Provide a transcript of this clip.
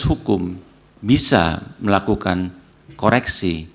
hukum bisa melakukan koreksi